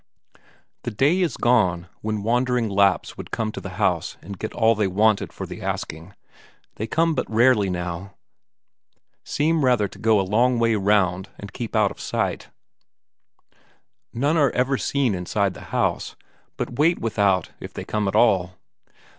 The day is gone when wandering Lapps could come to the house and get all they wanted for the asking; they come but rarely now, seem rather to go a long way round and keep out of sight; none are even seen inside the house, but wait without if they come at all.